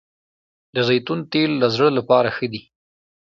د زیتون تېل د زړه لپاره ښه دي